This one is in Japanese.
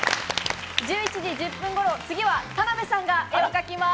１１時１０分頃、次は田辺さんが絵を描きます。